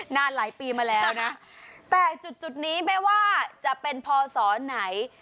นานหลายปีมาแล้วนะแต่จุดนี้ไม่ว่าจะเป็นพศไหน